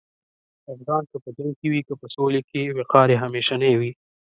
افغان که په جنګ کې وي که په سولې کې، وقار یې همیشنی وي.